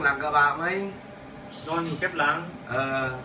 ลองไปดูหมายนะ